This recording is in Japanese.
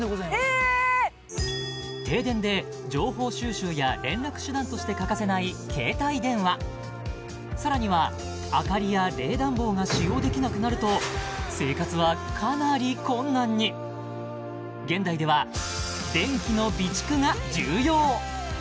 ええっ停電で情報収集や連絡手段として欠かせない携帯電話さらには明かりや冷暖房が使用できなくなると生活はかなり困難に現代では電気の備蓄が重要